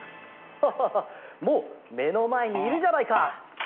ハハハもうめのまえにいるじゃないか！